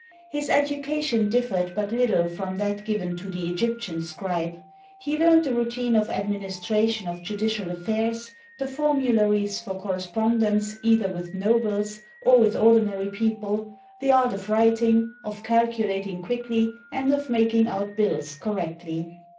His education differed but little from that given to the Eg^'ptian scribe; he learned the routine of administration of judicial affairs, the formularies for correspondence either with nobles or with ordinary people, the art of writing, of calculating quickly, and of making out biUs correctly.